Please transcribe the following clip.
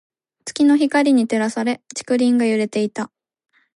月の光に照らされ、竹林が揺れていた。